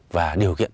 và điều kiện